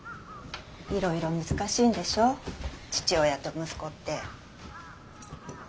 いろいろ難しいんでしょ父親と息子って。